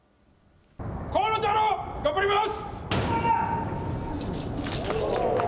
河野太郎、頑張ります。